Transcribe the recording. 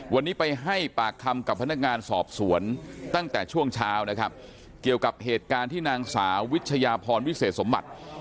วันนี้ไปให้ปากคำกับพนักงานสอบสวนตั้งแต่ช่วงเช้านะครับเกี่ยวกับเหตุการณ์ที่นางสาววิชยาพรวิเศษสมบัติ